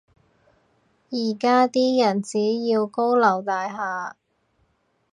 依家啲人只要高樓大廈